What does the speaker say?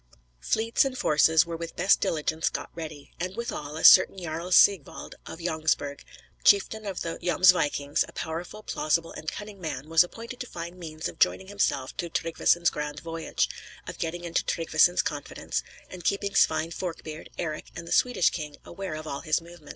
Fleets and forces were with best diligence got ready; and, withal, a certain Jarl Sigwald of Jomsburg, chieftain of the Jomsvikings, a powerful, plausible, and cunning man, was appointed to find means of joining himself to Tryggveson's grand voyage; of getting into Tryggveson's confidence, and keeping Svein Forkbeard, Eric, and the Swedish king aware of all his movements.